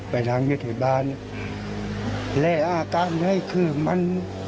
ไปทางยุทธบาลเหล่าการไรคือมัน